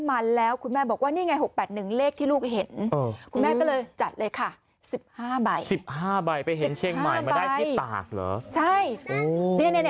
ตุนตุนตุนตุนตุนตุนตุนตุนตุน